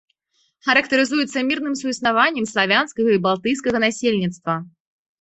Характарызуецца мірным суіснаваннем славянскага і балтыйскага насельніцтва.